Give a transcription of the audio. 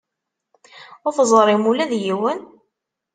Ur teẓrim ula d yiwen?